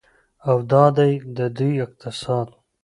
او دا دی د دوی اقتصاد.